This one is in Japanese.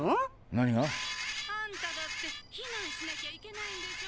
何が？あんただって避難しなきゃいけないんでしょ！